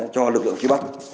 cho lực lượng khi bắt